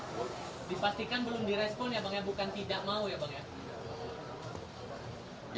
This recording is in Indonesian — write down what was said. dipastikan belum direspon ya bang ya bukan tidak mau ya bang ya